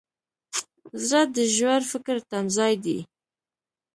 زړه د ژور فکر تمځای دی.